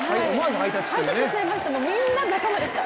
ハイタッチしちゃいました、みんな仲間でした。